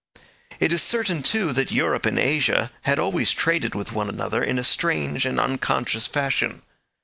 It is certain, too, that Europe and Asia had always traded with one another in a strange and unconscious fashion.